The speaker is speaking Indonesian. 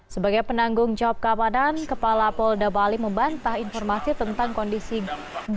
sebagai penanggung jawab keamanan kepala pol da bali membantah informasi tentang kondisi gunung